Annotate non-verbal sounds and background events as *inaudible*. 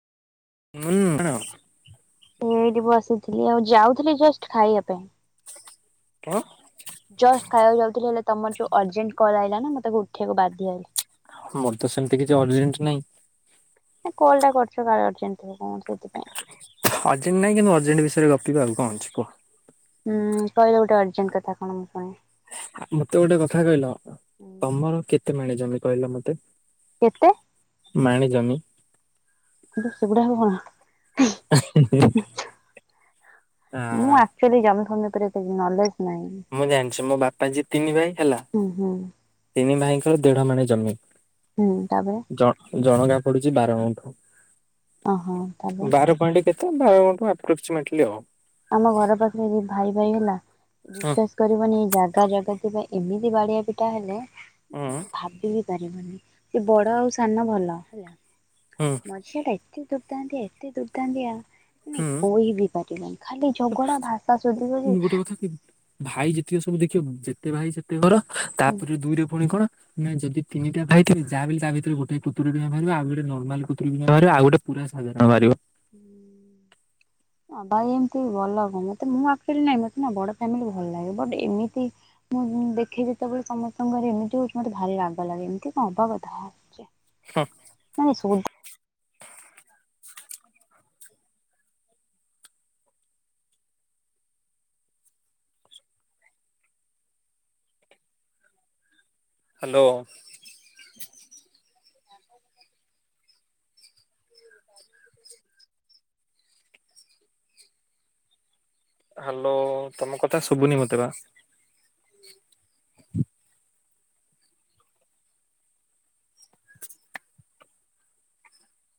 ଉଁ ଣ। ମୁଁ ଏଇଟି ବସିଥିଲି ଆଉ ଯାଉଥିଲି ଜଷ୍ଟ ଖାଇଆ ପାଇଁ। କଣ? ଜଷ୍ଟ ଖାଇଆକୁ ଯାଉଥିଲି ହେଲେ ତମର ଯୋଉ ଅର୍ଜେଣ୍ଟ କଲ୍ ଆଇଲା ନା ମୁଁ ତାକୁ ଉଠେଆକୁ ବାଧ୍ୟ ହେଲି। ମୋର ତ ସେମିତି କିଛି ଅର୍ଜେଣ୍ଟ ନାଇଁ। ଏଁ କଲ୍ ଟା କରିଚ କାଳେ ଅର୍ଜେଣ୍ଟ ଥିବ କଣ ସେଥିପାଇଁ। ଅର୍ଜେଣ୍ଟ ନାଇଁ କିନ୍ତୁ ଅର୍ଜେଣ୍ଟ ବିଷୟରେ ଗପିବା ଆଉ କଣ ଅଛି କୁହ। ହୁଁ କହିଲ ଗୋଟେ ଅର୍ଜେଣ୍ଟ କଥା କଣ ମୁଁ ଶୁଣେ। ଆ ମତେ ଗୋଟେ କଥା କହିଲ ତମର କେତେ ମାଣେ ଜମି କହିଲ ମତେ? କେତେ? ମାଣି ଜମି। କିନ୍ତୁ ସେଗୁଡାକ କଣ? ଆ ମୁଁ ଆକ୍ଚଲି ଜମିଫମି ଉପରେ ଏତେ ନଲେଜ ନାହିଁ। ମୁଁ ଜାଣିଛି ମୋ ବାପା ଯିଏ ତିନି ଭାଇ ହେଲା। ହୁଁ ହୁଁ। ତିନି ଭାଇଙ୍କର ଦେଢ ମଣି ଜମି। ହୁଁ ତାପରେ ଜ ଜଣକା ପଡୁଛି ବାରଗୁଣ୍ଠ ଓହୋ ତାପରେ *unintelligible* ବାର ପଏଣ୍ଟ କେତେ? ବାର ଆପ୍ରୋକ୍ସମେଟଲି ଆଉ। ଆମ ଘର ପାଖରେ ଭାଇ ଭାଇ ହେଲା ହୁଁ ବିଶ୍ଵାସ କରିବନି ଜାଗା ଜାଗା ଥିବା ଏମିତି ବାଡିଆ ପିଟା ହେଲେ ହୁଁ ମୁଁ ଭାବି ବି ପାରିବନି ସେ ବଡ ଆଉ ସାନ ଭଲ ହେଲା ହୁଁ ମଝିଆ ଟା ଏତେ ଦୁର୍ଦନ୍ତିଆ ଏତେ ଦୁର୍ଦନ୍ତିଆ ମାନେ ହୁଁ କହିବି ପାରିବନି। ଖାଲି ଝଗଡା ଭାଷା ସୋଧିବ ଯେ। ମୁଁ ଗୋଟେ କଥା କହିବି ଭାଇ ଯେତିକି ସବୁ ଦେଖିବ ଯେତେ ଭାଇ ସେତେ ଘର ତାପରେ ଦୁଇରେ ପୁଣି କଣ ନାଇଁ ଯଦି ତିନିଟା ଭାଇ ଥିବେ ଯାହାବି ହେଲେ ତା ଭିତରୁ ଗଟେ କୁତୁରୁମିଆ ବାହାରିବେ ଆଉ ଗୋଟେ ନର୍ମାଲ କୁତୁରୁମିଆ ବାହାରିବେ ଆଉ ଗୋଟେ ପୁରା ସାଧାରଣ ବାହାରିବ। ହୁଁ। ହଁ ଭାଇ ଏମିତି ଭଲଭଲ ନୁହ ମତେ ମୁଁ ଆକଚୁଲି ନାହିଁ ମତେ ନା ବଡ ଫ୍ୟାମିଲି ଭଲ ଲାଗେ ବଟ ଏମିତି ମୁଁ ଦେଖେ ଯେତେବେଳେ ସମସ୍ତଙ୍କ ଘରେ ଏମିତି ହଉଛି ମତେ ଭାରି ରାଗ ଲାଗେ ଏମିତି କଣ ହବା କଥା ଛି। *unintelligible* ହ୍ୟାଲୋ। ହ୍ୟାଲୋ ତମ କଥା ଶୁଭୁନି ମତେ ବା।